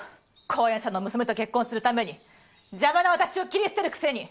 後援者の娘と結婚するために邪魔な私を切り捨てるくせに！